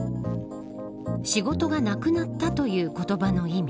仕事がなくなったという言葉の意味。